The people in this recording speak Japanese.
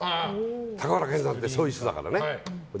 高倉健さんってそういう人だからね。